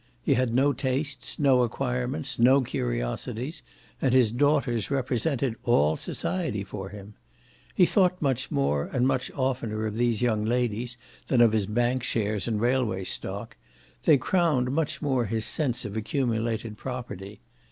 He had no tastes, no acquirements, no curiosities, and his daughters represented all society for him. He thought much more and much oftener of these young ladies than of his bank shares and railway stock; they crowned much more his sense of accumulated property.